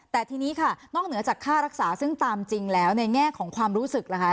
แต่ทีนี้ค่ะนอกเหนือจากค่ารักษาซึ่งตามจริงแล้วในแง่ของความรู้สึกล่ะคะ